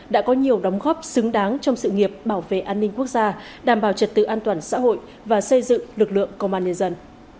đã có nhiều đóng góp xứng đáng trong sự nghiệp bảo vệ an ninh quốc gia đảm bảo trật tự an toàn xã hội và xây dựng lực lượng công an nhân dân